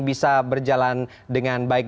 bisa berjalan dengan baik